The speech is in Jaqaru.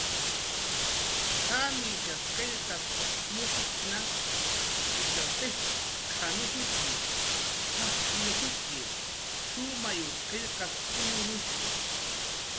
"Qamish qillqas mushkutna, ishaw jicx'k""anushutxi, qajcxnushutxi, shumayw qillqas uyunushu"